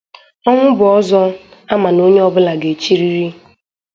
Ọnwụ bụ ọzọ a mà na onye ọbụla ga-echirịrị